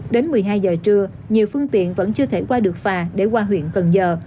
đến một mươi hai giờ trưa nhiều phương tiện vẫn chưa thể qua được phà để qua huyện cần giờ